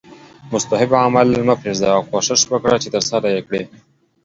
مستحب عمل هم مه پریږده او کوښښ وکړه چې ترسره یې کړې